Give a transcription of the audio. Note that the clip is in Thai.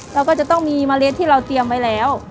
เราก็จะต้องมีเมล็ดที่เราเตรียมไว้แล้ว